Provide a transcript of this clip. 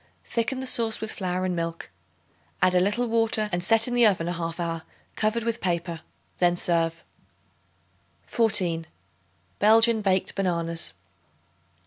Thicken the sauce with flour and milk. Add a little water and set in the oven a half hour, covered with paper; then serve. 14. Belgian Baked Bananas.